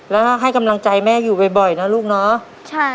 แล้วก็ให้กำลังใจแม่อยู่บ่อยนะลูกเนาะ